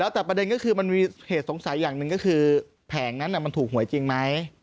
แต่แผงนั้นน่ะมันถูกหวยจริงไหม